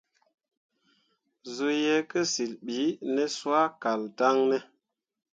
Zuu ye kǝsyil bi ne soa kal daŋ ne ?